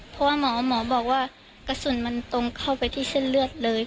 เพราะว่าหมอบอกว่ากระสุนมันตรงเข้าไปที่เส้นเลือดเลย